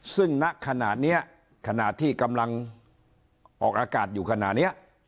ซึ่งณขณะนี้ขณะที่กำลังออกอากาศอยู่ขณะนี้